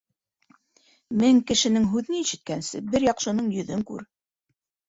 Мең кешенең һүҙен ишеткәнсе, бер яҡшының йөҙөн күр.